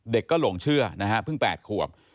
เด็กก็หลงเชื่อนะฮะเพิ่ง๘ขวบ